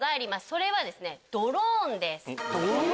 それはドローンです。